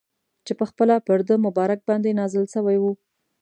چي پخپله پر ده مبارک باندي نازل سوی وو.